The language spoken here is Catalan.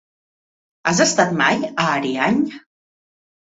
Has estat mai a Ariany?